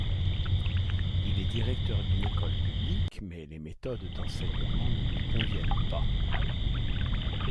Il est directeur d'une école publique mais les méthodes d'enseignement ne lui conviennent pas.